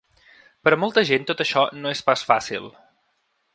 Per a molta gent tot això no és pas fàcil.